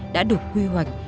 đã được quy hoạch